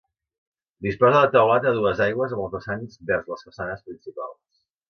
Disposa de teulat a dues aigües amb els vessants vers les façanes principals.